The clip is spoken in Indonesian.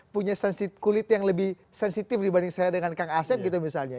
punya kulit yang lebih sensitif dibanding saya dengan kang asep gitu misalnya